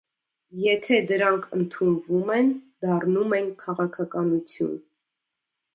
Եթե դրանք ընդունվում են, դառնում են քաղաքականություն։